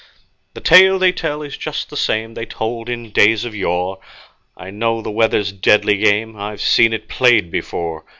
The tale they tell is just the same They told in days of yore. I know the weather's deadly game I've seen it played before.